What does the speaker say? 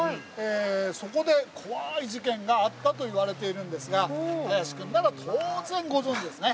そこで怖い事件があったといわれているんですが林くんなら当然ご存じですね？